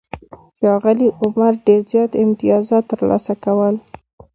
ښاغلي عمر ډېر زیات امتیازات ترلاسه کول.